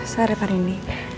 selamat sore pak rendy